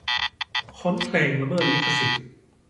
ค้นเพลงละเมิดลิขสิทธิ์